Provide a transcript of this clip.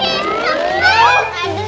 butet aku mau keluar